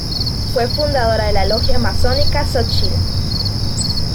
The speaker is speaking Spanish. Fue fundadora de la Logia Masónica Xóchitl.